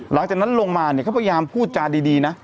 หลังจากนั้นลงมาเนี่ยเขาพยายามพูดจาดีนะ